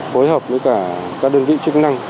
phối hợp với cả các đơn vị chức năng